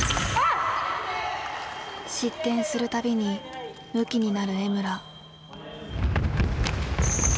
失点する度にムキになる江村。